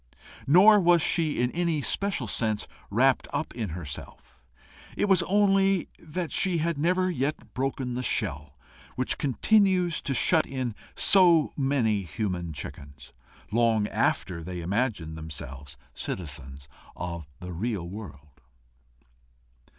Nor was she in any special sense wrapt up in herself: it was only that she had never yet broken the shell which continues to shut in so many human chickens, long after they imagine themselves citizens of the real world.